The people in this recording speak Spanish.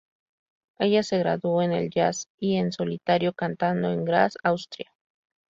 Ella se graduó en el jazz y en solitario cantando en Graz, Austria.